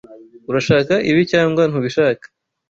Urashaka ibi cyangwa ntubishaka?